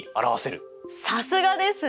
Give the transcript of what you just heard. さすがですね！